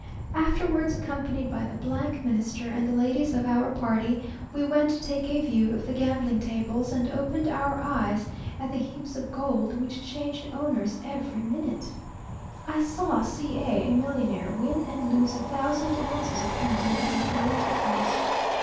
Afterwards, accompanied by the Minister, and the ladies of our party, we went to take a view of the gambling tables, and opened our eyes at the heaps of gold, which changed owners every minute. I saw C a, a millionaire, win and lose a thousand ounces apparently with equal indifference.